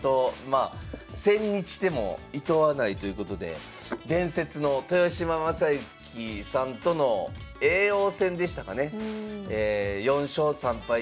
まあ千日手もいとわないということで伝説の豊島将之さんとの叡王戦でしたかね「４勝３敗